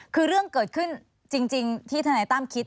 คือเรื่องเกิดขึ้นจริงที่ธนายตั้มคิด